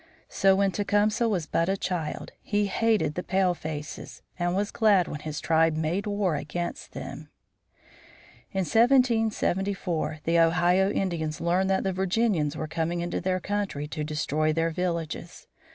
So when Tecumseh was but a child he hated the palefaces, and was glad when his tribe made war against them. In 1774 the Ohio Indians learned that the Virginians were coming into their country to destroy their villages.